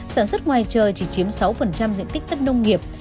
sản xuất ngoài trời chỉ chiếm sáu diện tích đất nông nghiệp